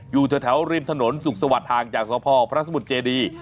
อยู่แถวริมถนนสุขสวัสดิ์ห่างจากสพพระสมุทรเจดี